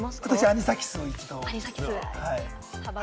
アニサキスを一度。